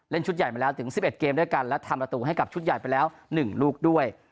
ชุดใหญ่มาแล้วถึง๑๑เกมด้วยกันและทำประตูให้กับชุดใหญ่ไปแล้ว๑ลูกด้วย